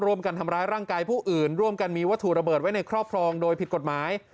ร่วมกันทำร้ายร่างกายผู้อื่นร่วมกันมีวัตถุระเบิดไว้ในครอบครองโดยผิดกฎหมาย